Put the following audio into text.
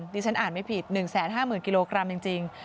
ที่ฉันอ่านไม่ผิด๑๕๐๐๐กิโลกรัมจริง